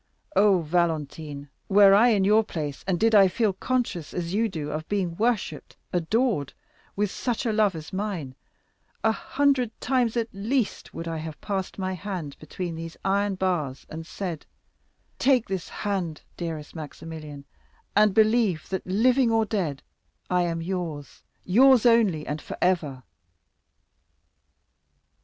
Oh, Valentine, were I in your place, and did I feel conscious, as you do, of being worshipped, adored, with such a love as mine, a hundred times at least should I have passed my hand between these iron bars, and said, 'Take this hand, dearest Maximilian, and believe that, living or dead, I am yours—yours only, and forever!